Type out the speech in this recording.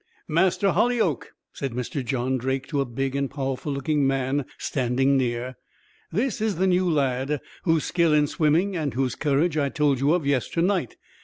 "Master Holyoake," said Mr. John Drake, to a big and powerful looking man standing near, "this is the new lad, whose skill in swimming, and whose courage, I told you of yesternight.